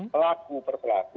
pelaku per pelaku